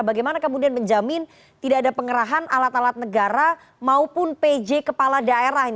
bagaimana kemudian menjamin tidak ada pengerahan alat alat negara maupun pj kepala daerah